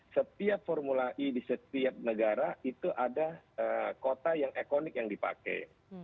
setiap formula e di setiap negara itu ada kota yang ikonik yang dipakai